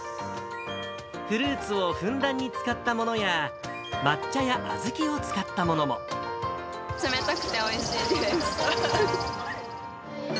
フルーツをふんだんに使ったものや、冷たくておいしいです。